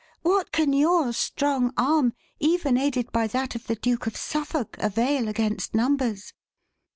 What can your strong arm, even aided by that of the Duke of Suffolk, avail against numbers?"